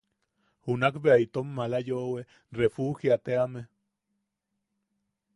Junakbea itom mala yoʼowe Refugiateame.